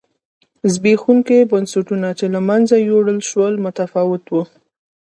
زبېښونکي بنسټونه چې له منځه یووړل شول متفاوت و.